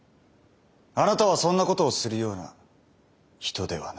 あなたはそんなことをするような人ではない。